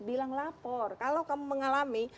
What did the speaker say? bilang lapor kalau kamu mengalami